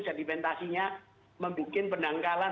sedipentasinya membuat penangkalan